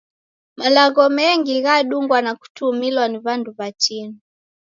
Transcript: Malagho mengi ghadungwa na kutumilwa ni w'andu w'atini.